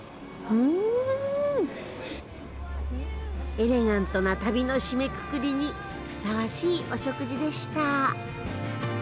エレガントな旅の締めくくりにふさわしいお食事でした。